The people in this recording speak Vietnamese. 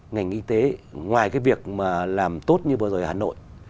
ngành y tế ngoài cái việc mà làm tốt như vừa rồi ở hà nội